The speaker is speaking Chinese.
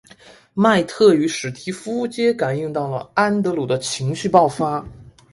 麦特与史提夫皆感应到了安德鲁的情绪爆发。